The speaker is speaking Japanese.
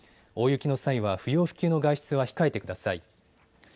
大雪の際は不要不急の外出は控えてください。